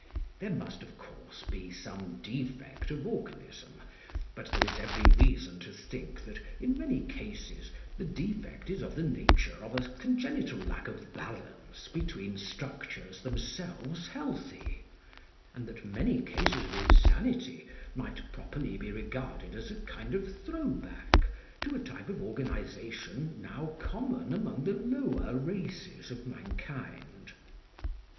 There must, of course, be some defect of organism; but there is every reason to think that, in many cases, the defect is of the nature of a congenital lack of balance between structures themselves healthy; and that many cases of insanity might properly be regarded as a kind of 'throwback' to a type of organisation now common among the lower races of mankind."